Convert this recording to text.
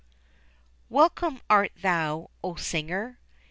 WELCOME art thou, O singer!